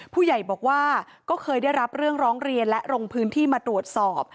ผู้ใหญ่บอกว่าก็เคยได้รับเรื่องร้องเรียนและลงพื้นที่มาตรวจสอบ